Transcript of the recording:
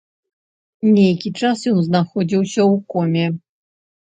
Нейкі час ён знаходзіўся ў коме.